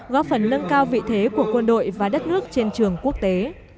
góp phần nâng cao vị thế của quân đội và đất nước trên trường quốc tế